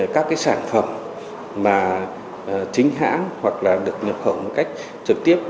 các sản phẩm mà chính hãng hoặc là được nhập khẩu một cách trực tiếp